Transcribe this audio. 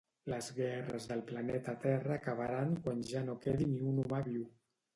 Les guerres del planeta Terra acabaran quan ja no quedi ni un humà viu